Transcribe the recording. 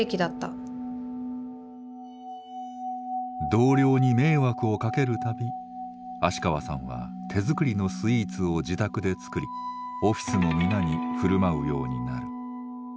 同僚に迷惑をかける度芦川さんは手作りのスイーツを自宅で作りオフィスの皆に振る舞うようになる。